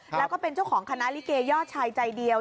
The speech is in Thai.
แล้วก็เป็นเจ้าของคณะลิเกยอดชายใจเดียว